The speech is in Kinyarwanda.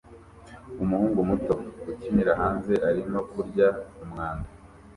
Umuhungu muto ukinira hanze arimo kurya umwanda